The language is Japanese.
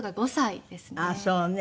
あっそうね。